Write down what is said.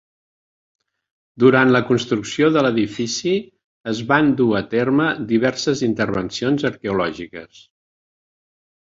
Durant la construcció de l'edifici es van dur a terme diverses intervencions arqueològiques.